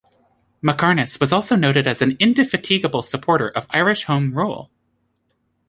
Mackarness was also noted as an 'indefatigable' supporter of Irish Home Rule.